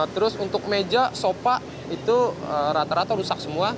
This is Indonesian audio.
terus untuk meja sopa itu rata rata rusak semua